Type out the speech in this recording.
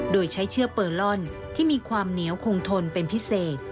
โดยใช้เชือกเปอร์ลอนที่มีความเหนียวคงทนเป็นพิเศษ